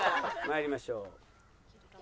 まいりましょう。